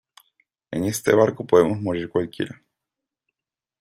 en este barco podemos morir cualquiera